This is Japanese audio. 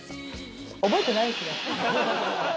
覚えてないっすね。